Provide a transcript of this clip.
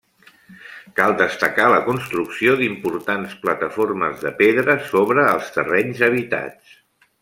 Cal destacar la construcció d'importants plataformes de pedra sobre els terrenys habitats.